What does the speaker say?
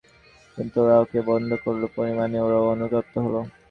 কিন্তু ওরা ওকে বধ করল, পরিণামে ওরা অনুতপ্ত হল।